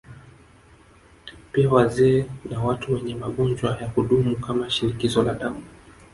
Pia wazee na watu wenye magonjwa ya kudumu kama Shinikizo la Damu